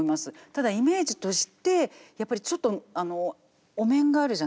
ただイメージとしてやっぱりちょっとお面があるじゃないですか。